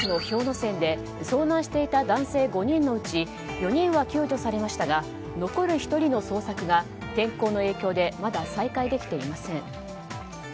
山で遭難していた男性５人のうち４人は救助されましたが残る１人の捜索が、天候の影響でまだ再開できていません。